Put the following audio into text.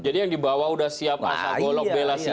jadi yang di bawah sudah siap asal golok bela